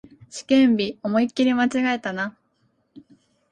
試験日、思いっきり間違えたな